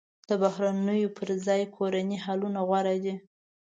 د بهرنیو پر ځای کورني حلونه غوره دي.